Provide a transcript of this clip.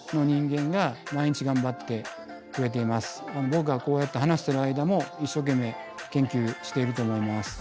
僕がこうやって話してる間も一生懸命研究していると思います。